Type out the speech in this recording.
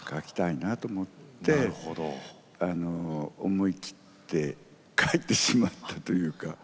思い切って書いてしまったというか。